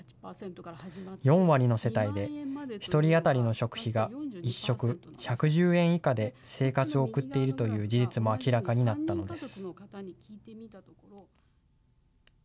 ４割の世帯で、１人当たりの食費が１食１１０円以下で生活を送っているという事実も明らかになったのです。